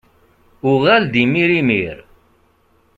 Uɣal-d imir imir!